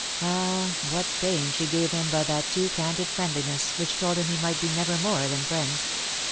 Ah, what pain she gave him by that too candid friendliness, which told him he might be never more than friend